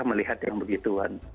melihat yang begituan